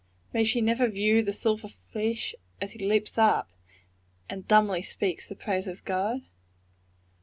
May she never view the silver fish as he leaps up, and "dumbly speaks the praise of God?"